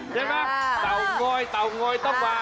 เตางอยเต่างอยต้องมา